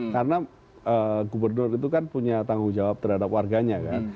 karena gubernur itu kan punya tanggung jawab terhadap warganya kan